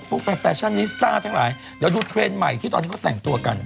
แฟนแฟชั่นนิสต้าทั้งหลายเดี๋ยวดูเทรนด์ใหม่ที่ตอนนี้เขาแต่งตัวกัน